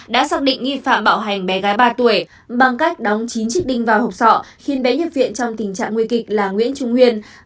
đã xác định nghi phạm bạo hành bé gái ba tuổi bằng cách đóng chín chiếc đinh vào hộp sọ khiến bé nhập viện trong tình trạng nguy kịch là nguyễn trung huyên